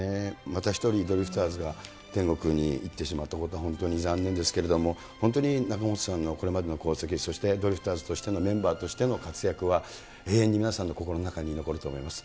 また一人、ドリフターズが天国に行ってしまったことは本当に残念ですけれども、本当に仲本さんのこれまでの功績、そしてドリフターズとしての、メンバーとしての活躍は、永遠に皆さんの心の中に残ると思います。